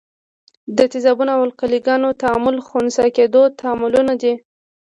د تیزابونو او القلي ګانو تعامل خنثي کیدو تعاملونه دي.